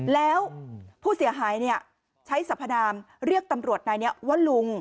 แล้วผู้เสียหายใช้สัพพนามเรียกตำรวจนายนี้ว่าลุง